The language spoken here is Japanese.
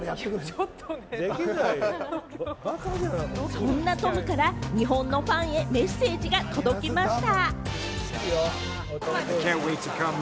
そんなトムから日本のファンへメッセージが届きました。